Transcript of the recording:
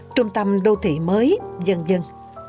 trung tâm đô thị mới dân dân